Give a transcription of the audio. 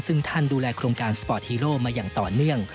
ซึ่งท่านดูแลโครงการสปอร์ตฮีโร่มาอย่างต่อเนื่อง